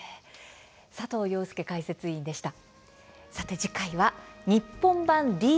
佐藤庸介解説委員でした。